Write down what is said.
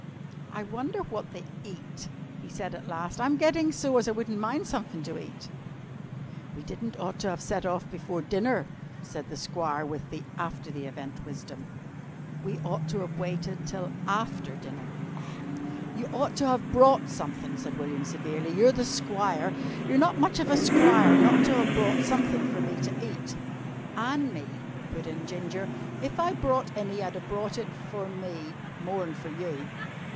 "I wonder wot they eat," he said at last. "I'm gettin' so's I wouldn't mind sumthin' to eat." "We di'n't ought to have set off before dinner," said the squire with after the event wisdom. "We ought to have waited till after dinner." "You ought to have brought sumthin'," said William severely. "You're the squire. You're not much of a squire not to have brought sumthin' for me to eat." "An' me," put in Ginger. "If I'd brought any I'd have brought it for me more'n for you."